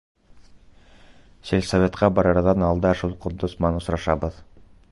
Сельсоветҡа барырҙан алда шул Ҡотдос менән осрашабыҙ.